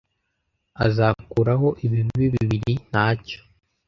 azakuraho ibibi bibiri ntacyo